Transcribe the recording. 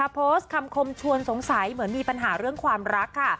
โพสต์คำคมชวนสงสัยเหมือนมีปัญหาเรื่องความรักค่ะ